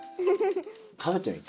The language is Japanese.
食べてみて。